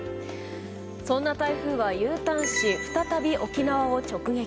そんな台風はＵターンし再び沖縄を直撃。